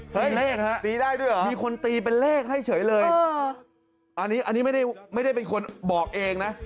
เลขฮะตีได้ด้วยเหรอมีคนตีเป็นเลขให้เฉยเลยอันนี้อันนี้ไม่ได้เป็นคนบอกเองนะ